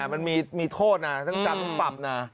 มันมีโทษนะต้องจัดปรับนะ